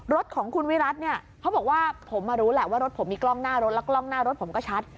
รถของคุณวิรัติเนี่ยเขาบอกว่าผมมารู้แหละว่ารถผมมีกล้องหน้ารถแล้วกล้องหน้ารถผมก็ชัด